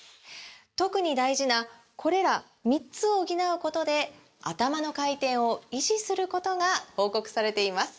特に大事なこれら３つを補うことでアタマの回転を維持することが報告されています